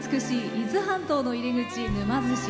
伊豆半島の入り口、沼津市。